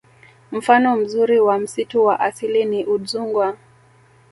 Mfano mzuri wa msitu wa asili ni udzungwa